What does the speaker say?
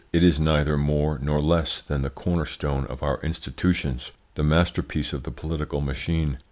"It is neither more nor less than the corner stone of our institutions, the masterpiece of the political machine.